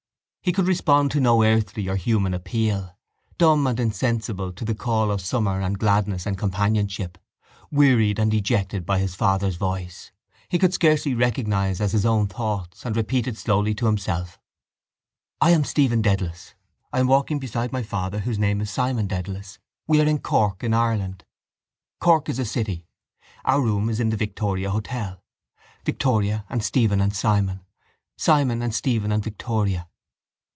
He could respond to no earthly or human appeal, dumb and insensible to the call of summer and gladness and companionship, wearied and dejected by his father's voice. He could scarcely recognise as his own thoughts, and repeated slowly to himself: —I am Stephen Dedalus. I am walking beside my father whose name is Simon Dedalus. We are in Cork, in Ireland. Cork is a city. Our room is in the Victoria Hotel. Victoria and Stephen and Simon. Simon and Stephen and Victoria.